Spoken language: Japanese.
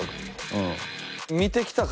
うん。